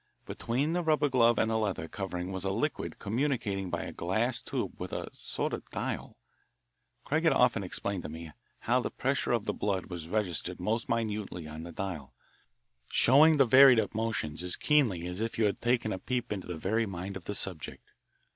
Between the rubber glove and the leather covering was a liquid communicating by a glass tube with a sort of dial. Craig had often explained to me how the pressure of the blood was registered most minutely on the dial, showing the varied emotions as keenly as if you had taken a peep into the very mind of the subject.